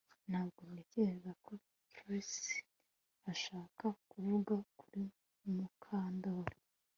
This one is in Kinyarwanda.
Ntabwo ntekereza ko Trix ashaka kuvuga kuri Mukandoli